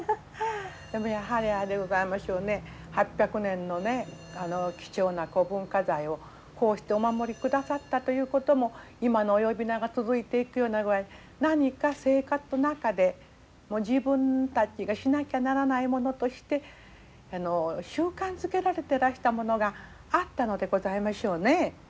でもやはりあれでございましょうね８００年の貴重な古文化財をこうしてお守りくださったということも今の呼び名が続いていくような具合に何か生活の中で自分たちがしなきゃならないものとして習慣づけられてらしたものがあったのでございましょうね。